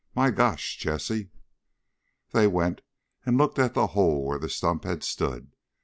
"My gosh, Jessie!" They went and looked at the hole where the stump had stood.